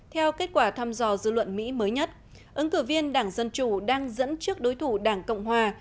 theo kết quả thăm dò dư luận mỹ mới nhất ứng cử viên đảng dân chủ đang dẫn trước đối thủ đảng cộng hòa